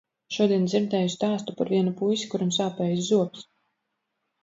Šodien dzirdēju stāstu par vienu puisi, kuram sāpējis zobs.